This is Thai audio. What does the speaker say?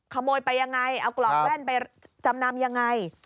ขโมยไปยังไงเอากล่องแว่นไปจำนำยังไง